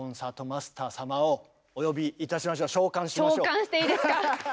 召喚していいですか？